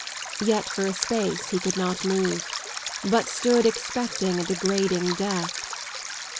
Yet for a space he could not move, hut stood expecting a degrading death.